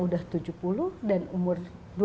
udah tujuh puluh dan umur